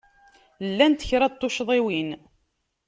Llant kra n tuccḍiwin.